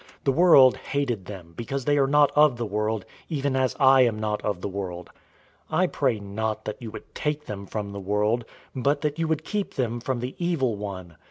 The world hated them, because they are not of the world, even as I am not of the world. 017:015 I pray not that you would take them from the world, but that you would keep them from the evil one.